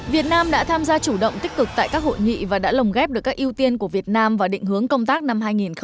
việt nam đã tham gia chủ động tích cực tại các hội nghị và đã lồng ghép được các ưu tiên của việt nam vào định hướng công tác năm hai nghìn hai mươi